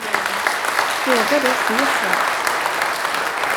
Fråga då Cesar!